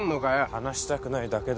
話したくないだけだ。